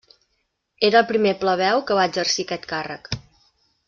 Era el primer plebeu que va exercir aquest càrrec.